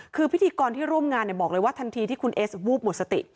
คือพิธีกรที่ร่วมงานบอกเลยว่าทันทีที่คุณเอสวูบหมดสติ